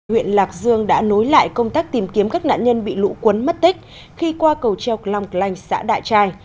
huyện lạc dương đã nối lại công tác tìm kiếm các nạn nhân bị lũ cuốn mất tích khi qua cầu treo long lanh xã đại trai